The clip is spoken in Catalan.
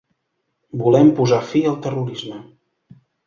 Volem posar fi al terrorisme.